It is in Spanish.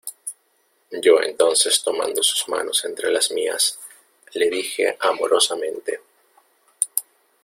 yo entonces tomando sus manos entre las mías, le dije amorosamente: